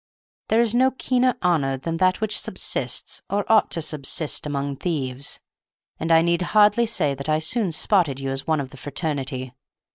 "There is no keener honor than that which subsists, or ought to subsist, among thieves; and I need hardly say that I soon spotted you as one of the fraternity.